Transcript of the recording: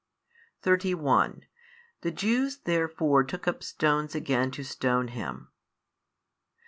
31 The Jews therefore took up stones again to stone Him.